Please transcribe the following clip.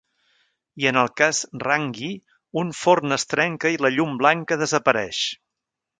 I, en el cas de Rangy, un forn es trenca i la llum blanca desapareix.